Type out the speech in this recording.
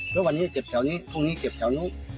แล้ววันนี้เจ็บแถวนี้พรุ่งนี้เจ็บแถวนู้น